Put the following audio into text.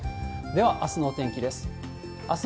では、あすのお天気です。